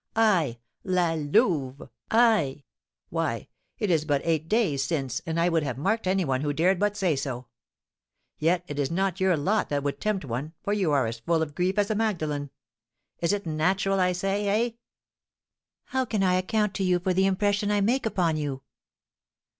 I! La Louve! I! Why, it is but eight days since, and I would have marked any one who dared but say so. Yet it is not your lot that would tempt one, for you are as full of grief as a Magdalene. Is it natural, I say, eh?" "How can I account to you for the impression I make upon you?"